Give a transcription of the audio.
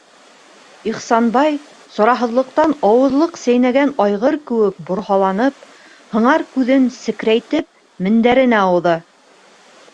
- Ихсанбай, сараһыҙлыҡтан ауыҙлыҡ сәйнәгән айғыр кеүек борһаланып, һыңар күҙен секрәйтеп, мендәренә ауҙы.